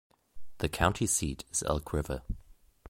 The county seat is Elk River.